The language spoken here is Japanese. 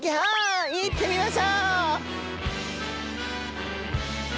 行ってみましょう！